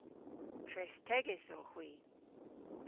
Trethtegys owgh hwi.